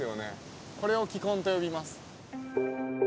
これを気根と呼びます。